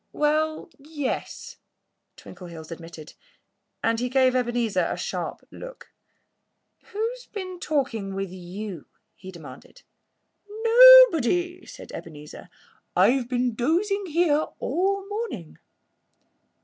"Well yes!" Twinkleheels admitted. And he gave Ebenezer a sharp look. "Who's been talking with you?" he demanded. "Nobody!" said Ebenezer. "I've been dozing here all the morning."